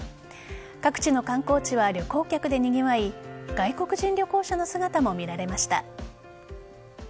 各地の観光地は旅行客でにぎわい外国人旅行者の姿も見られました。